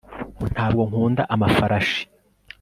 ntabwo nkunda amafarashi